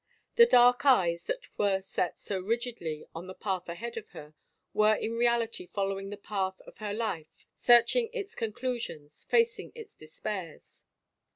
The dark eyes that were set so rigidly on the path ahead of her were in reality following the path of her life, searching its con clusions, facing its despairs.